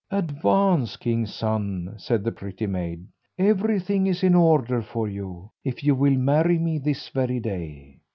"Advance, king's son," said the pretty maid; "everything is in order for you, if you will marry me this very day."